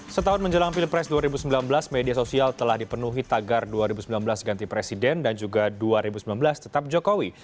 setahun menjelang pilpres dua ribu sembilan belas media sosial telah dipenuhi tagar dua ribu sembilan belas ganti presiden dan juga dua ribu sembilan belas tetap jokowi